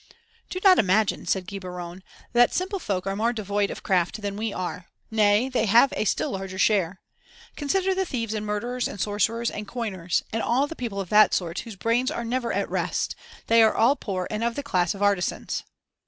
"Do not imagine," said Geburon, "that simple folk are more devoid of craft than we are; (3) nay, they have a still larger share. Consider the thieves and murderers and sorcerers and coiners, and all the people of that sort, whose brains are never at rest; they are all poor and of the class of artisans."